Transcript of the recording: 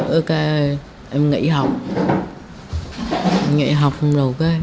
em nghỉ học không đâu em nghỉ học không đâu